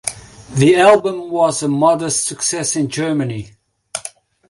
The album was a modest success in Germany.